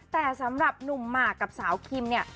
แต่สำหรับหนุ่มหมากกับสาวคิมเนี่ย